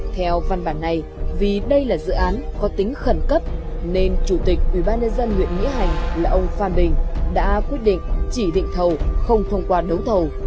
theo văn bản này vì đây là dự án có tính khẩn cấp nên chủ tịch ủy ban nhân dân huyện nghĩa hành là ông phan bình đã quyết định chỉ định thầu không thông qua đấu thầu